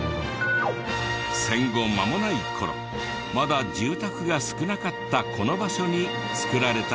戦後間もない頃まだ住宅が少なかったこの場所に造られたそうだ。